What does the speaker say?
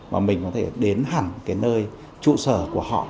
mà mình có thể đến hẳn cái nơi trụ sở của họ